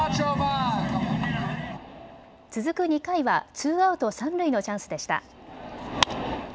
続く２回はツーアウト三塁のチャンスでした。